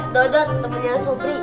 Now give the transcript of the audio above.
dodo temennya sobri